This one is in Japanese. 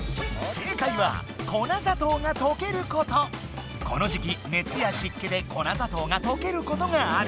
正解はこの時期熱や湿気で粉砂糖がとけることがある。